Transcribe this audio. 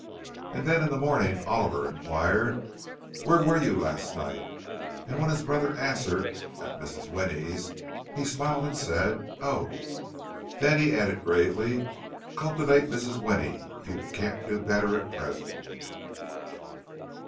And then in the morning Oliver inquired, "Where were you, last night?" And when his brother answered, "At Mrs. Winnie's," he smiled and said, "Oh!" Then he added, gravely, "Cultivate Mrs. Winnie—you can't do better at present."